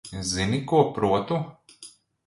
Zini, ko protu?